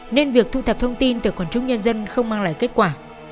nên việc thu thập thông tin từ quần chúng nhân dân không mang lại kết quả